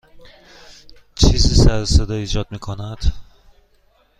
چیزی سر و صدا ایجاد می کند.